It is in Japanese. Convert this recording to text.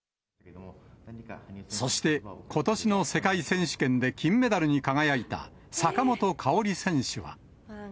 そして、ことしの世界選手権で金メダルに輝いた坂本花織選手は。